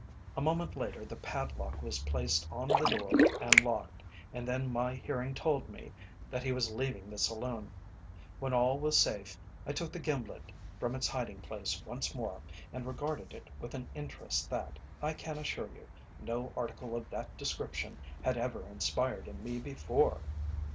A moment later the padlock was placed on the door and locked, and then my hearing told me that he was leaving the saloon. When all was safe, I took the gimlet from its hiding place once more, and regarded it with an interest that, I can assure you, no article of that description had ever inspired in me before.